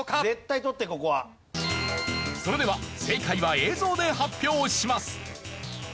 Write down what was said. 絶対取ってここは。それでは正解は映像で発表します。